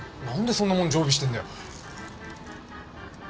何でそんなもん常備してんだよ？